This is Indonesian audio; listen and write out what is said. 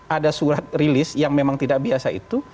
ada surat rilis yang memang tidak biasa itu